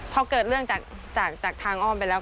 พอเกิดเรื่องจากทางอ้อมไปแล้ว